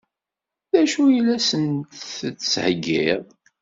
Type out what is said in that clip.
D acu i la sen-d-tettheggiḍ?